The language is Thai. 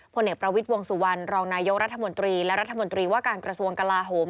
ผลเอกประวิทย์วงสุวรรณรองนายกรัฐมนตรีและรัฐมนตรีว่าการกระทรวงกลาโหม